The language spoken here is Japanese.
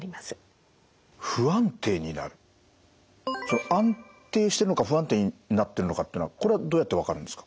安定してるのか不安定になってるのかってのはこれはどうやって分かるんですか？